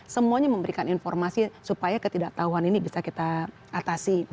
semuanya memberikan informasi supaya ketidaktahuan ini bisa kita atasi